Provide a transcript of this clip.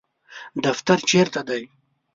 دفتر چیرته دی؟